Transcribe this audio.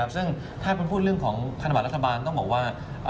ซึ่งถ้าคนพูดเรื่องของพัฒนบัตรรัฐบาลเขาบอกว่า